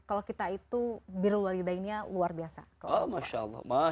kalau kita itu biru walidah ini luar biasa